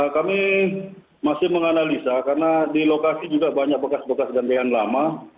kami masih menganalisa karena di lokasi juga banyak bekas bekas gandengan lama